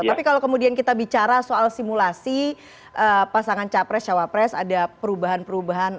tapi kalau kemudian kita bicara soal simulasi pasangan capres cawapres ada perubahan perubahan